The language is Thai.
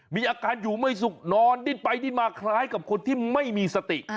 มีอาการอยู่ไม่สุขนอนดิ้นไปดิ้นมาคล้ายกับคนที่ไม่มีสติ